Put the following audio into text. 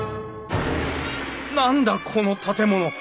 何だこの建物。